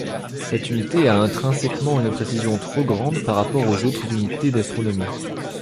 Cette unité a intrinsèquement une imprécision trop grande par rapport aux autres unités d'astronomie.